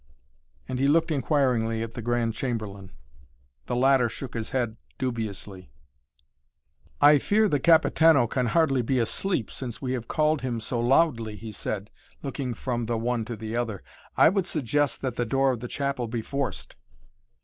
And he looked inquiringly at the Grand Chamberlain. The latter shook his head dubiously. "I fear the Capitano can hardly be asleep, since we have called him so loudly," he said, looking from the one to the other. "I would suggest that the door of the chapel be forced."